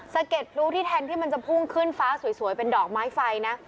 เก็ดรูที่แทนที่มันจะพุ่งขึ้นฟ้าสวยเป็นดอกไม้ไฟนะ